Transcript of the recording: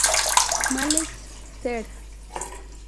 Males., Ser.